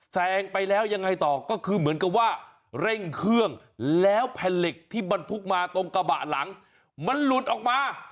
แซงไปแล้วยังไงต่อก็คือเหมือนกับว่าเร่งเครื่องแล้วแผ่นเหล็กที่บรรทุกมาตรงกระบะหลังมันหลุดออกมา